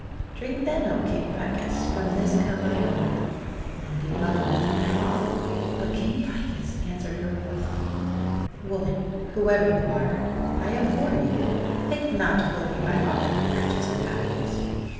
Drink, then, O King Picus, from this cup I hold, and be welcomed to my hall!" But King Picus answered her roughly: —* Woman, whoever you are, I abhor you! Think not to hold me by offers of riches and happiness!